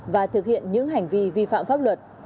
và thực hiện những hành vi vi phạm pháp luật